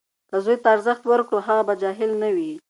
که زوی ته ارزښت ورکړو، هغه به جاهل نه وي.